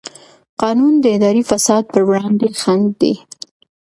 قانون د اداري فساد پر وړاندې خنډ دی.